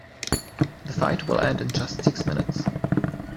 The fight will end in just six minutes.